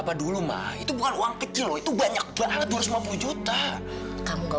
sampai jumpa di video selanjutnya